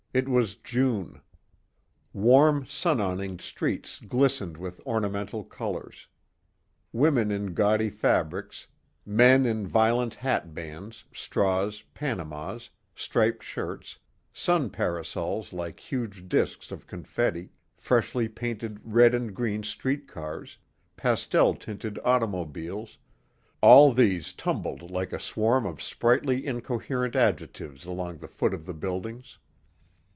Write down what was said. It was June. Warm, sun awninged streets glistened with ornamental colors. Women in gaudy fabrics, men in violent hat bands, straws, panamas, striped shirts, sun parasols like huge discs of confetti, freshly painted red and green street cars, pastel tinted automobiles all these tumbled like a swarm of sprightly incoherent adjectives along the foot of the buildings.